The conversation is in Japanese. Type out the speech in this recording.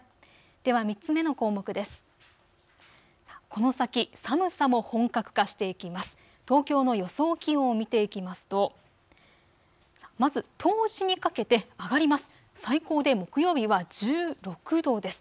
では３つ目の項目です。